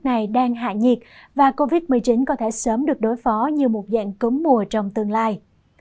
việt nam đang hạ nhiệt và covid một mươi chín có thể sớm được đối phó như một dạng cúng mùa trong tương lai